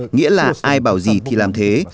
nghĩa là ai bảo gì thì làm thế